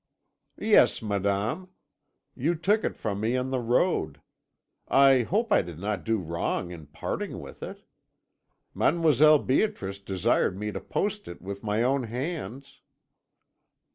"'Yes, madame; you took it from me on the road. I hope I did not do wrong in parting with it. Mademoiselle Beatrice desired me to post it with my own hands.'